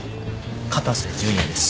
片瀬純也です。